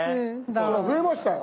ほら増えましたよ。